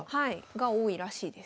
が多いらしいです。